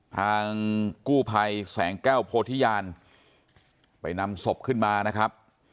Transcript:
ทางกู้ภัยแสงแก้วโพธิญาณไปนำศพขึ้นมานะครับ